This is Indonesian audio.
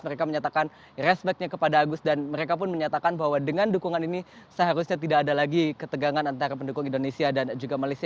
mereka menyatakan respectnya kepada agus dan mereka pun menyatakan bahwa dengan dukungan ini seharusnya tidak ada lagi ketegangan antara pendukung indonesia dan juga malaysia